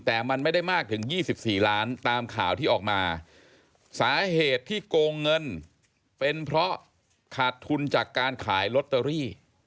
แต่มันไม่ได้มากถึง๒๔ล้านตามข่าวที่ออกมาสาเหตุที่โกงเงินเป็นเพราะขาดทุนจากการขายลอตเตอรี่